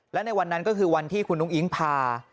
และในวันนั้นก็คือวันที่คุณอุ้งอิ๊งพา